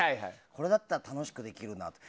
これだったら楽しくできるなと。